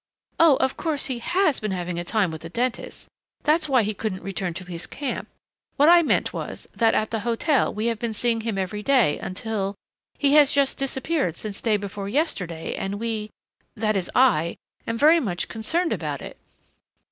"Oh, of course he has been having a time with the dentist. That's why he couldn't return to his camp. What I meant was, that at the hotel we have been seeing him every day until he has just disappeared since day before yesterday and we that is, I am very much concerned about it."